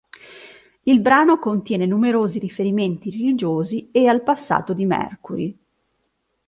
Il brano contiene numerosi riferimenti religiosi e al passato di Mercury.